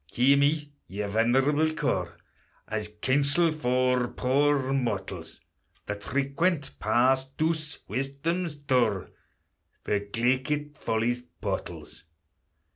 Hear me, ye venerable core, As counsel for poor mortals, That frequent pass douce Wisdom's door, For glaikit Folly's portals!